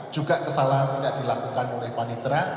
juga kesalahan yang dilakukan oleh panitra